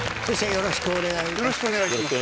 よろしくお願いします。